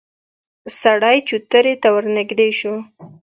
سړی چوترې ته ورنږدې شو.